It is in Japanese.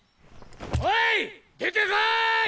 おい出てこい！